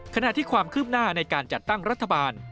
ขณะที่ความคืบหน้าในการจัดตั้งรัฐบาล